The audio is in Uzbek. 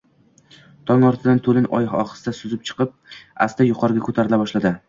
Togʼ ortidan toʼlin oy ohista suzib chiqib, asta yuqoriga koʼtarila boshladi.